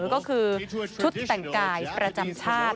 ก็คือชุดแต่งกายประจำชาติ